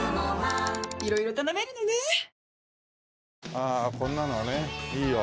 ああこんなのはねいいよ。